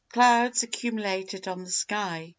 Clouds accumulated on the sky.